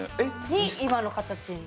に今の形。